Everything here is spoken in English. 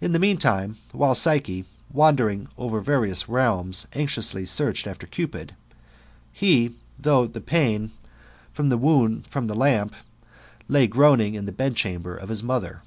In the meantime, while Psyche wandered over various realms, anxiously searching after Cupid, he, through the pain of .the wound from the lamp, lay groaning in the bedchamber of his mother.